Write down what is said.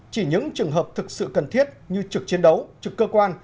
chỉ những trường hợp thực sự cần thiết như trực chiến đấu trực cơ quan